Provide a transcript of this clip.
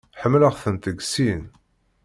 Ḥemmleɣ-tent deg sin.